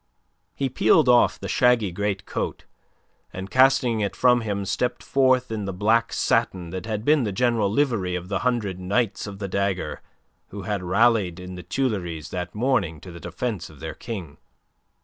He peeled off the shaggy greatcoat, and casting it from him stepped forth in the black satin that had been the general livery of the hundred knights of the dagger who had rallied in the Tuileries that morning to the defence of their king.